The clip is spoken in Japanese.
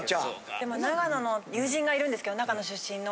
でも長野の友人がいるんですけど長野出身の。